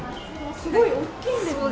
すごい大きいんですね。